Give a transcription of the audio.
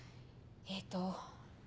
えっと。